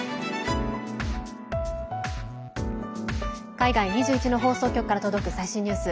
海外２１の放送局から届く最新ニュース。